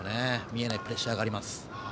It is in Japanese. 見えないプレッシャーがあります。